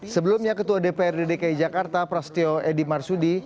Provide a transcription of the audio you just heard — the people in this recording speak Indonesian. sebelumnya ketua dprd dki jakarta prasetyo edy marsudi